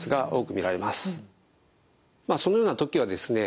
そのような時はですね